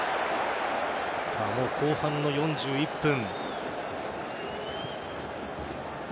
もう後半の４１分。